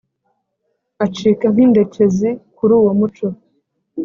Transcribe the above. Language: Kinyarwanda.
Acika nk'indekezi kuruwo muco